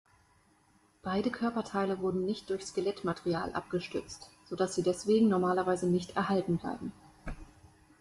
Beide Körperteile wurden nicht durch Skelettmaterial abgestützt, sodass sie deswegen normalerweise nicht erhalten bleiben.